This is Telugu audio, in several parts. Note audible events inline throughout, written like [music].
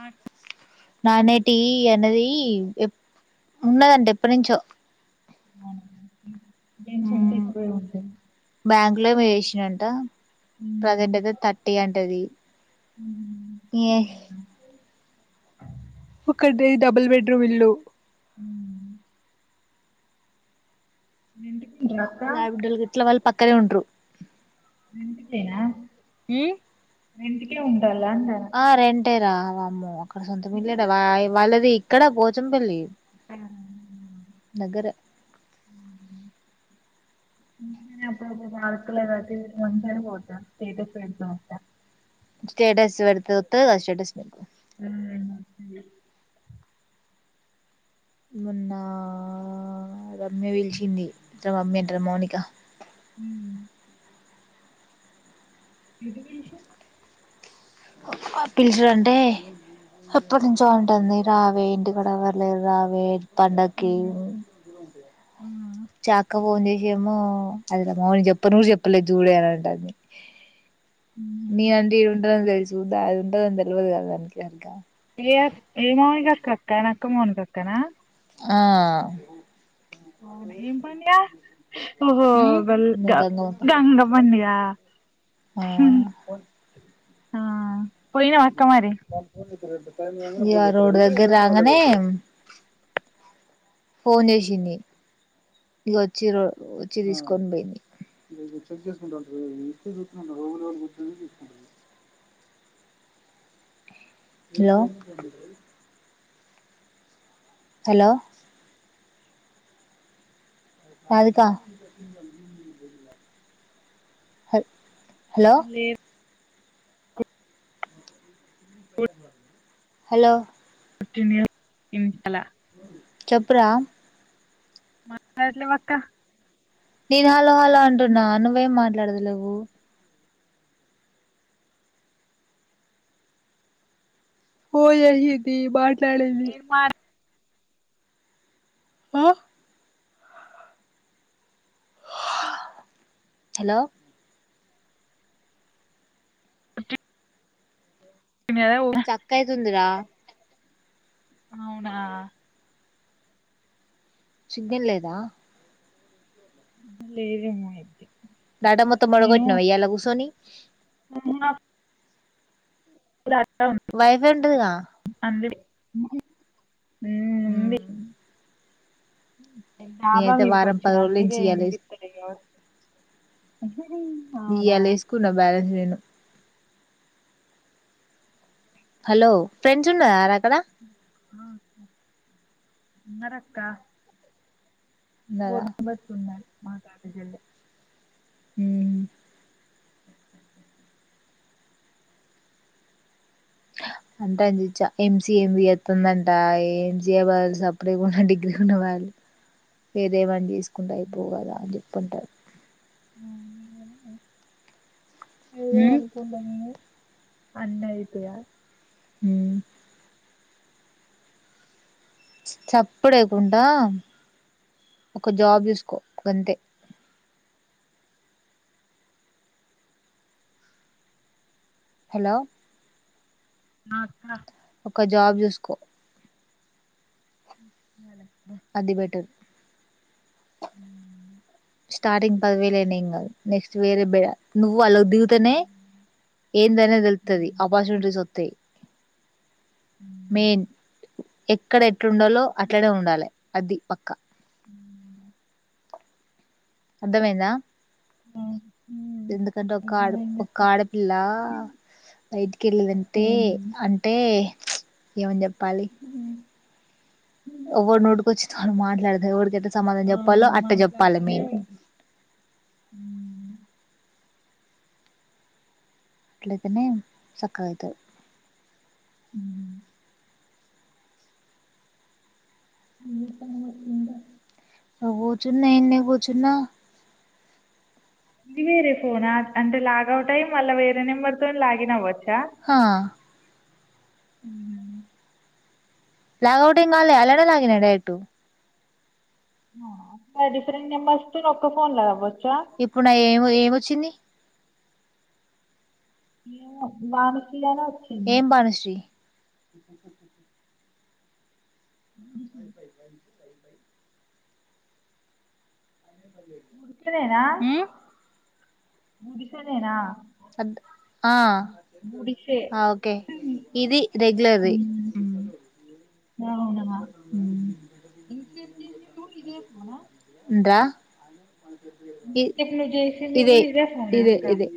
ఆఠ నానేటి అనేది ఎ ఉన్నదంటడి ఎప్పటి నుంచో ేన్ చంటే ఎక్కువే ఉంటాంది ఇలేమ వేసినాంట ఉమ్, ప్రజంటది తటింటది ఉమ్, ఏ అవునా ఒక డబుల్ బెడ్రూమ్ ఇల్లు అవును ఏంటీ ఇది ఇట్లా వాళ్ళు పక్కనే ఉంట్రు అందుకేర [unintelligible] మ్మ్ రెంటుకే వా ఆ రెంటే రా వామ్మో అక్కడ సొంతం ఇల్లే కదా వాళ్ళది ఇక్కడ పొచంపల్లి దగ్గరే ఇ అప్పుడుతే పా [unintelligible] రాత్ర మందర పోత స్టేటస్ పెడత స్టేటస్ పెడితే వొత్తే స్టేటస్ పెడదాం మీ అమ్మ ఏం చేత్తాది మొన్న రమ్య పిలిచింది ఇట్ట రమ్య అంటన్న మౌనిక మ్మ్ ఎప్పుడు పిలిచ పిలుచుడంటే ఎప్పటి నుంచో ఉంటాంది రావే ఇంటికాడ ఏవర్లేరు రావే పండక్కి మ్మ్ చాక్క ఫోన్ చేసి ఏమో [unintelligible] అదిమ్మని చెప్ప నువ్వు చెప్పలేదు చూడే అని అంటాంది నిను అంటే ఇడ ఉంటానని తెలుసు [unintelligible] చూందా అది ఉంటద తెలిదు కాకకా ఇగ ఏ మామగాక్కక్క నా అక్క మౌనిక అక్కనా ఆ అవును నువ్వు బల్ గా గంగమ్మ గంగ మడి్యా [unintelligible] ఆ మ్మ్ పోయినావ ఇయ రోడ్ దగ్గర రాంగనే ఫోన్ చేసింది ఇక వచ్చిండ్రు వచ్చి తీసుకొని పోయింది ర చెక్ చేసుకుంటా [unintelligible] ఏరే వాళ్ళు చెప్పింది తీసుకుంటుంది హలో హలో అదికా హో లేద్ హలో హలో చెప్పురా మాట్లడలేవ్ అక్క నేను హలో హలో అంటున్నా నువ్వేం మాట్లాడత లేవు ఓ ఎయితి మాట్లాడేది నేను మాట్లాడిన ఆ హలో వచ్చా చక్కయ్ ది ఉందిరా అవునా సిగ్నల్ లేదా హ్మ్ లేదేమో అయితే బాటా మొత్తం నేను పడగొట్టినవ ఉయ్యాలో కూసోని [unintelligible] [unintelligible] అర్థం ఉంది తెల్ల అదే మ్మ్ డబా మీదికి వారం వచ్చిన పది అందుకే వినిపిత్తలేదు ఇవ్వాల వేసుకున్న బ్యాలెన్స్ నేను హలో అక్కడ ఉన్నరక్క ఉన్నారా ఫోన్ నెంబర్ గిట్లా ఉందా అండి మాట్లాడడానికి మ్మ్ హ్హ్ అంటంది ఎంసిఎ చేత్తందంట ఎంసిఎ బదులు సప్ డెకున్న డిగ్రీ ఉన్న వాల్యూ వేరేవాటిని తీసు తీసుకుంటే అయిపోవు గదా అని చెప్పి ఉంటారు ఏదో ఉమ్ అనుకుంటాము కానీ అన్నయితయా మ్మ్ చప్పుడు చేయకుండా ఒక జాబ్ చూసుకో గంతే హలో ఆ అక్కా ఒక జాబ్ చూసుకో విన్నలే అది బెటర్ ఆమ్ స్టార్టింగ్ పదివేలయితయ్ ఇంగా నెక్స్ట్ వేరే నువ్వు అళ్లకు దిగుతనే ఏందనేది తెల్తది అపార్చునిటీస్ వస్తాయి మెయిన్ ఎక్కడ ఎట్లుండాలో అట్లనే ఉండాలి అది పక్క అర్థమైందా ఆహ్ ఎందుకంటే ఒక ఆడ ఒక ఆడపిల్ల బయటికి ఉమ్, ఏమనీ ఆహ్ ఎవ్వడి నోటికొచ్చింది వాళ్ళు మాట్లాడితే ఎవ్వడికెట్ట సమాదానం ఆ చెప్పాలో అట్ట చెప్పాలి మాట్లాడుతూనే మెయిన్ ఉంటాం ఉమ్, అట్లయితేనే సక్కగైతరు ఆహ్ ఏం చెత్తన్నావు అనుకుంటా కూర్చున్న ఇడనే కూర్చున్న ఇది వేరే ఫోనా అంటే లాగౌట్ అయి మళ్ళ వేరే నెంబర్ తో లాగిన్ అవ్వొచ్చా హా ఆమ్ లాగౌట్ ఏం కాలే అల్లనే లాగిన్ అయిన డైరెక్ట్ డిఫరెంట్ నెంబర్స్ తో ఒక్క ఫోన్ల అవ్వోచా ఇప్పుడు ఏమొచ్చింది ఏమో జానకి అని వచ్చింది ఏం భానుశ్రీ వైఫై అయితలేదా ఉమ్ అర్ధం గుడిసె ఆ ఓకే ఇది రెగ్యులర్ది ఆ అవునా ఉమ్ దా ఈ ఇంతసేపు నువ్వు చేసింది ఇదే కూడా ఫోనా ఇదే అక్క ఇదే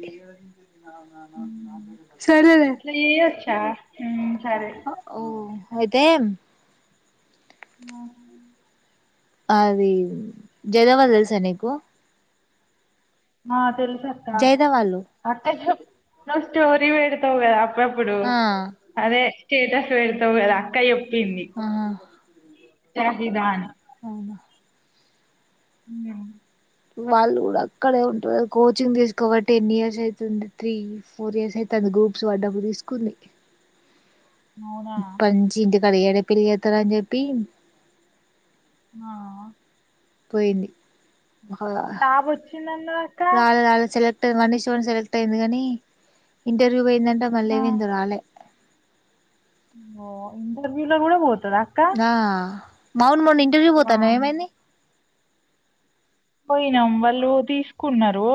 ఉమ్. సరే లే అట్లా చేయొచ్చా ఉమ్, సరే ఓ హైతే ఆహా అది జదావా తెలుసా నీకు ఆ తెలుసక్క జైదవాళ్ళు అక్క [inaudible] స్టోరి పెడుతావు గదా పప్పుడు ఆ అదే స్టేటస్ పెడుతావు గదా అక్క చెప్పింది ఆ షాహీదాని అవునా అవును వాళ్ళు కూడా అక్కడే ఉంటారు కోచింగ్ తీసుకోబట్టి టెన్ ఇయర్స్ అయితుంది, త్రీ ఫోర్ ఇయర్స్ అయిత గ్రూప్స్ వడ్డప్పు తీసుకుంది అవునా అప్పడునుంచి ఇంటికాడ ఏడ పెళ్ళి జేత్తారని చెప్పి ఆ పోయింది అహా జాబ్ వచ్చిందన్నది అక్క రాలే రాలే సెల క్టు వన్ను సెవెన్ సెలెక్ట్ అయింది కానీ ఇంటర్వ్యూ పోయిందంట మళ్ళీ ఆ, ఏమైందో రాలే ఓ ఇంటర్వ్యూలో కూడా పో దా [unintelligible] ఇంటర్వ్యూ ఆ, పోతన్నావ్ ఏమైంది పోయినాం వాళ్ళు తీసుకున్నారు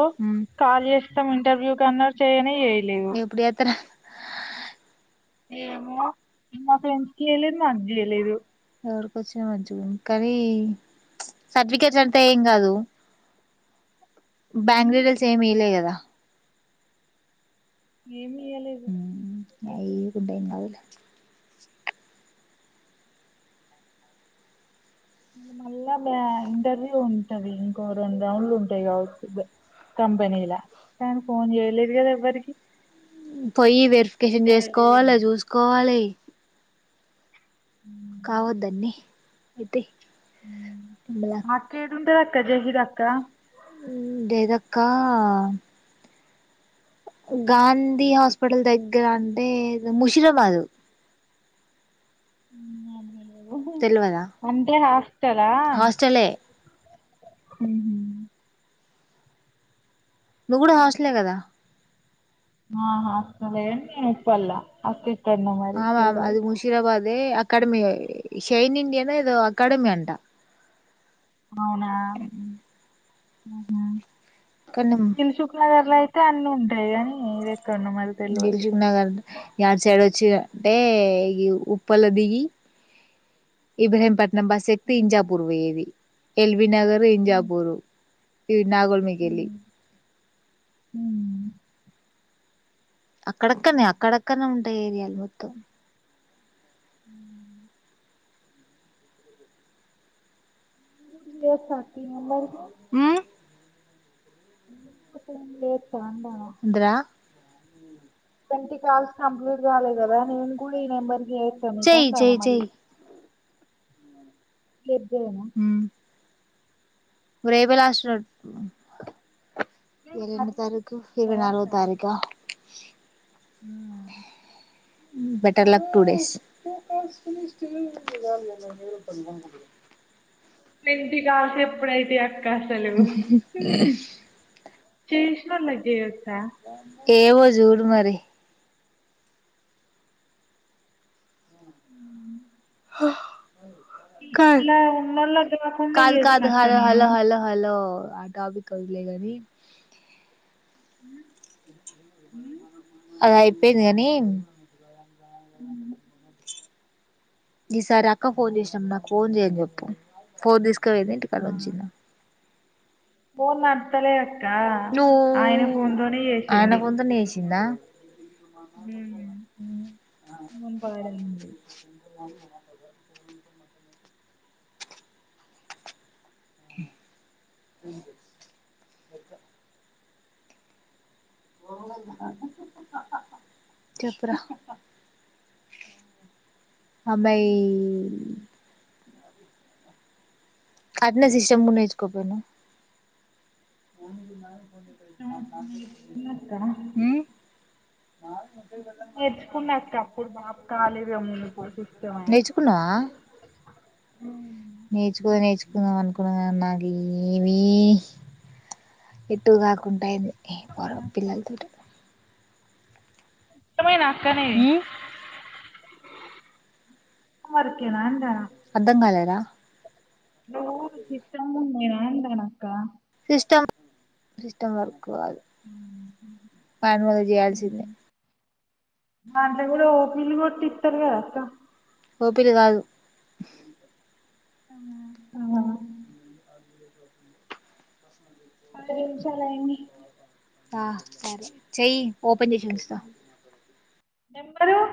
కాల్ చేస్తాం ఇంటర్వ్యూ కన్నారు చేయని ఎప్పుడు చేత్తరు ఏమో మా ఫ్రెండ్స్ కి జేయలేదు మాకు జేయలేదు ఎవరికొచ్చినా మంచిగుండు కానీ ప్చ్ సర్టిఫికేట్స్ అంత ఏం కాదు [unintelligible] రిజల్ట్స్ ఏమీ ఇయలే కదా ఏమి ఇయ్యలేదు ఉమ్ అయి ఇయ్యకుంటే ఏంగాదులే మళ్ళా బ్యా ఇంటర్వ్యూ ఉంటది ఇంకో రెండు రౌండ్లు ఉంటాయి కావచ్చు బ్యా కంపెనీలా కానీ ఫోన్ చేయలేదు కదా ఎవ్వరికి పోయ్యి వెరిఫికేషన్ చేయలేదు చేసుకోవాల ఏమో చూసుకోవాలె కావద్దన్నీ అయితే మళ అక్క ఏడుంటది అక్క జహీర్ అక్క ఉమ్ డేదక్కా గాంధీ హాస్పిటల్ దగ్గర అంటే ముషిరాబాదు తెల్వదా [unintelligible] అంటే హాస్టలా హాస్టలే మ్మ్ హ్మ్ నువ్వు కూడా హాస్టలే కదా ఆహా [unintelligible] అటే ఆమ్ ఆమ్ అది ముషీరాబాదే అ కాడమి షైన్ ఇండియానో ఏదో అకాడమీ అంట అవునా అహా కానీ దిల్ సుఖ్ నగర్లై తే అన్నీ ఉంటాయిగానీ ఇదే దిల్ శుఖ్ నగర్ యటు సైడ్ వ చ్చు అంటే ఈ ఉప్పల్లో దిగి ఇబ్రహీం పట్ నం బస్సు ఎక్కితే ఇంజాపూర్ వోయేది ఎల్ బి నగరు ఇంజాపూర్ ఈ నాగోల్మి కెల్లి అక్కడక్కన్నే అక్కడక్కన్నే ఉంటాయి ఏరియాలు మొత్తం మ్మ్ మ్మ్ [unintelligible] [unintelligible] లేదు తాండా డ్రా ట్వంటీ కాల్స్ కంప్లీట్ కాలేదు కదా నేను కూడా ఈ నెంబర్ ఎం చెయ్ కున్నదన చెయ్ చెయ్ మళ్ళీ ఎద్దేనా వరేబలాస్ రోడ్ ఈయాల ఎన్నో తారీకు, ఇరవై నాలుగో తారీక. హ్మ్మ్ better luck two days. [inaudible] Twenty కాల్సి ఎప్పుడైతాయి అక్క అసలు. చేసిన లేగేయ్యాడు ఏమో జూడు మరి హుమ్మ్ హా కాద్ ఇలా ఉన్నోళ్ళకి కాకుండా చేసిన కాదు కాదు అక్క హలో నేను హలో హలో హలో ఆ టాపిక్ వదిలేయ్ కానీ మ్మ్ హుమ్మ్ అలా అయిపోయింది కాని. హుమ్ ఈసారి అక్క ఫోన్ చేసినాం నాకు ఫోన్ చేయని చెప్ప ఫోన్ తీసుక్ ఎక్కపోడేంటి ఆ కదంచింద ఫోన్ వత్తలే అక్క నువ్వు ఆయన ఫోన్ తోనే చేసింది. ఉమ్. ఫోన్ పాడైంది హ్మ్మ్ హుమ్ చెప్పురా అబ్బాయి అట్నే సిస్టమ్ కూడా నేర్చుకోపోయినవ్ నేర్చుకున్నక్క హుమ్ నేర్చుకున్నా అక్క. అప్పుడు బాప్ కాలేజ్ ఉన్నప్పుడు సిస్టమ్. ఆ ఏవి ఎటు కాకుంటాయింది ఎమ్ పోరో పిల్లలతోటి ఇష్టమే నా అక్కనే వర్క్ నాంటన అర్ధం కాలే రా నువ్వు సిద్ధంగా ఉన్ననేనా [unintelligible] అక్క సిస్టమ్, సిస్టమ్ వర్క్ కాదు దానివల్ల చెయ్యాల్సిందే దంటలో కూడా ఓ పిలు కొట్టితారు కాదక్కా ఓపిలు కాదు అహ్ పది నిమిషాలు లైని ఆ సరే, చెయ్య ఓపెన్ చేసి ఉంచుతా. నెంబరు